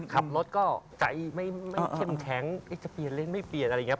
ขับรถก็ใจไม่เข้มแข็งจะเปลี่ยนเลนส์ไม่เปลี่ยนอะไรอย่างนี้